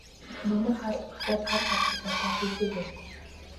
Нөмөр хаалт багатай тал газар болоод тэгдэг байлгүй.